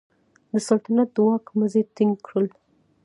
د سلطنت د واک مزي ټینګ کړل.